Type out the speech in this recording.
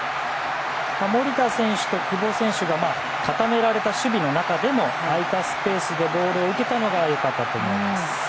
守田選手と久保選手が固められた守備の中でも空いたスペースでボールを受けたのが良かったと思います。